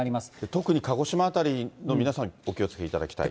特に鹿児島辺りの皆さん、お気をつけいただきたい。